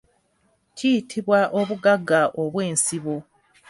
Kiyitibwa obugagga obw'ensibo.